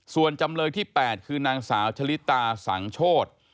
ส่วนจำเลยที่๘คือนางสาวชะลิตาสังโชธ